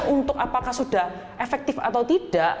untuk apakah sudah efektif atau tidak